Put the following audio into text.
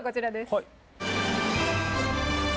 はい。